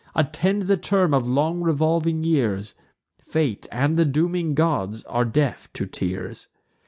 Attend the term of long revolving years; Fate, and the dooming gods, are deaf to tears.